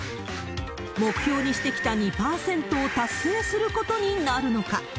目標にしてきた２％を達成することになるのか。